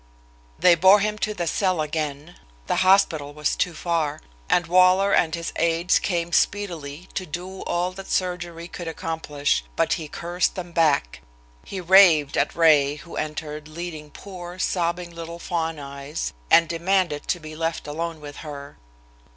They bore him to the cell again, the hospital was too far, and Waller and his aides came speedily to do all that surgery could accomplish, but he cursed them back. He raved at Ray, who entered, leading poor, sobbing little Fawn Eyes, and demanded to be left alone with her.